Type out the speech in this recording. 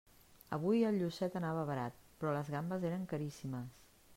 Avui el llucet anava barat, però les gambes eren caríssimes.